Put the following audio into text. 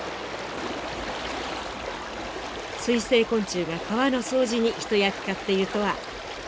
水生昆虫が川の掃除に一役買っているとは知りませんでした。